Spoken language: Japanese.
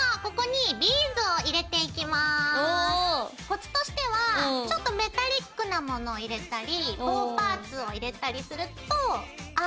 コツとしてはちょっとメタリックなものを入れたり棒パーツを入れたりするとアートっぽさが出る。